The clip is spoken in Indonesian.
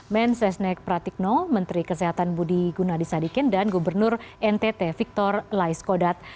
men sesnek pratikno menteri kesehatan budi gunadi sadikin dan gubernur ntt victor laiskodat